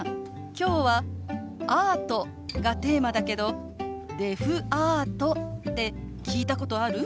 今日は「アート」がテーマだけど「デフアート」って聞いたことある？